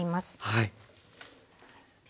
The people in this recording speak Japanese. はい。